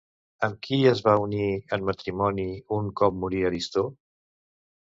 Amb qui es va unir en matrimoni un cop morí Aristó?